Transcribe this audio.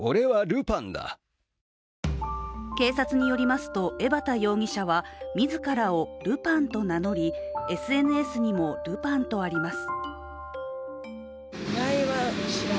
警察によりますと江畑容疑者は自らをルパンと名乗りＳＮＳにもルパンとあります。